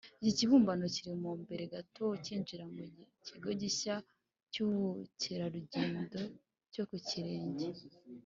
Iki kibumbano kiri mu mbere gato ukinjira mu kigo gishya cy’ubukerarugendo cyo Ku Kirenge